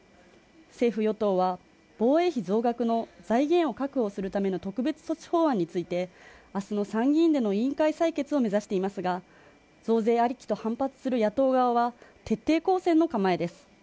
政府与党は、防衛費増額の財源を確保するための特別措置法案についてその参議院での委員会採決を目指していますが増税ありきと反発する野党側は徹底抗戦の構えです。